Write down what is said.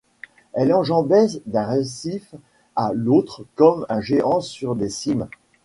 Il enjambait d’un récif à l’autre comme un géant sur des cimes.